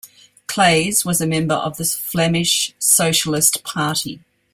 Claes was a member of the Flemish Socialist Party.